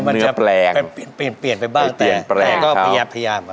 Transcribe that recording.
มันจะเปลี่ยนไปบ้างแต่ก็พยายาม